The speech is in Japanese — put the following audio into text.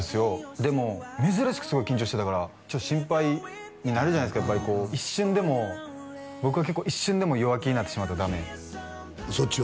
でも珍しくすごい緊張してたから心配になるじゃないっすかやっぱりこう一瞬でも僕は結構一瞬でも弱気になってしまうとダメそっちは？